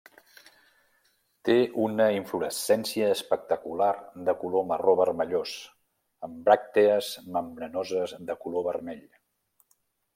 Té una inflorescència espectacular de color marró vermellós, amb bràctees membranoses de color vermell.